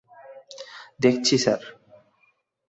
দেখছি, স্যার।